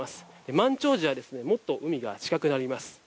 満潮時はもっと海が近くなります。